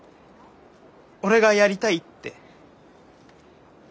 俺がやりたいって。